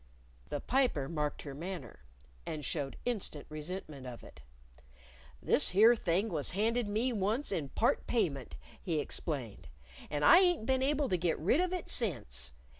The Piper marked her manner, and showed instant resentment of it. "This here thing was handed me once in part payment," he explained. "And I ain't been able to get rid of it since.